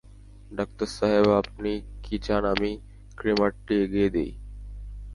Doctor সাহেব আপনি কি চান আমি ক্রিমারটি এগিয়ে দিই?